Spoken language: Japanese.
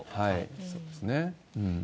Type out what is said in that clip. そうですね。